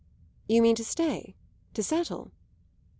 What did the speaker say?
You mean to stay to settle?